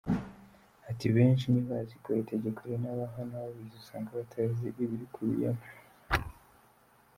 Ati “Benshi ntibazi ko itegeko rinabaho, n’ababizi usanga batazi ibirikubiyemo.